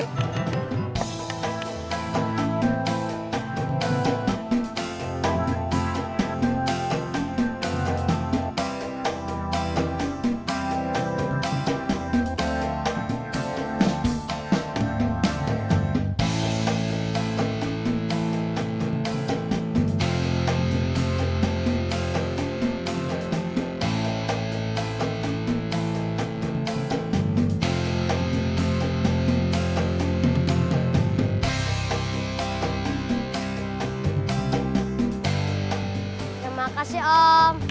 terima kasih om